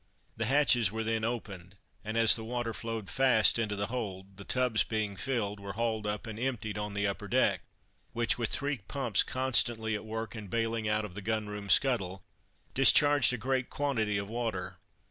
The hatches were then opened, and as the water flowed fast into the hold, the tubs being filled, were hauled up and emptied on the upper deck, which, with three pumps constantly at work, and bailing out of the gun room scuttle, discharged a great quantity of water.